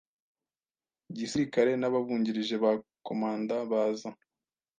gisirikare n ababungirije ba Komanda ba za